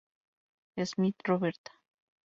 Smith, Roberta.